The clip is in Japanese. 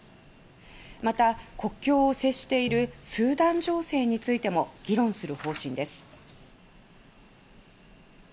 また、国境を接しているスーダン情勢についても議論する方針です。